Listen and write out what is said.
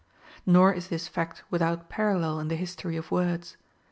Nor is this fact without parallel in the history of words.